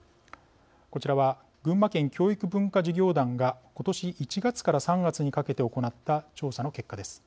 こちらは群馬県教育文化事業団が今年１月から３月にかけて行った調査の結果です。